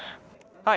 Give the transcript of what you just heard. はい。